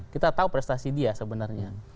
kita tahu prestasi dia sebenarnya